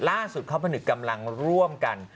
ล่าสุดเขาผนึกกำลังร่วมกัน